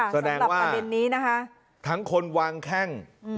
สำหรับประเด็นนี้นะฮะทั้งคนวางแข้งอืม